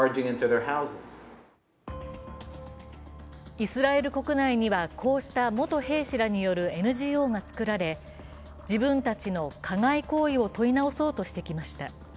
イスラエル国内には、こうした元兵士らによるＮＧＯが作られ自分たちの加害行為を問い直そうとしてきました。